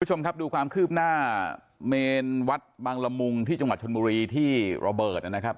คุณผู้ชมครับดูความคืบหน้าเมนวัดบังละมุงที่จังหวัดชนบุรีที่ระเบิดนะครับ